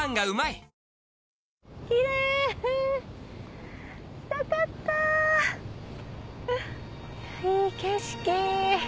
いい景色！